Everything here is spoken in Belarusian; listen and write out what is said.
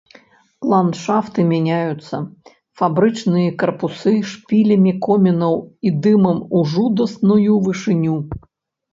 Ландшафты мяняюцца, фабрычныя карпусы шпілямі комінаў і дымам у жудасную вышыню.